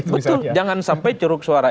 betul jangan sampai ceruk suara